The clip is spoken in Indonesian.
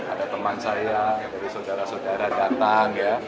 ada teman saya saudara saudara datang